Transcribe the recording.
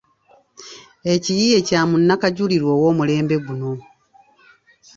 Ekiyiiye kya Munnakajulirwa ow’olumulembe guno.